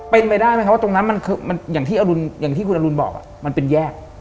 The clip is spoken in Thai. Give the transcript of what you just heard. เป็นไปได้ไหมคะว่าตรงนั้นอย่างที่คุณอรุณบอกมันเป็นแยก